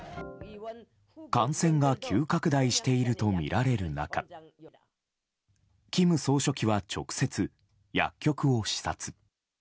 感染が急拡大しているとみられる中金総書記は直接、薬局を視察。